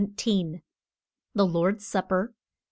THE LORD'S SUPPER.